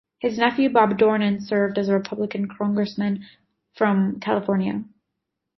His nephew Bob Dornan served as a Republican congressman from California.